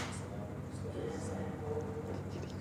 تو چہل پہل ہو۔